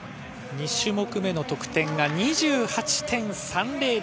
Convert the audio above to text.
２種目目の得点が２８．３００。